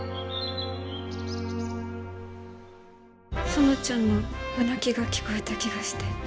園ちゃんの夜泣きが聞こえた気がして。